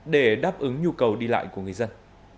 để đáp ứng nhu cầu đi lại của người dân